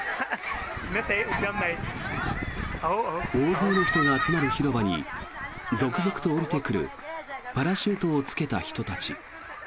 大勢の人が集まる広場に続々と降りてくるパラシュートをつけた人たち。